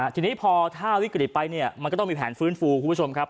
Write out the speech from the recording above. ทีนี้พอถ้าวิกฤตไปเนี่ยมันก็ต้องมีแผนฟื้นฟูคุณผู้ชมครับ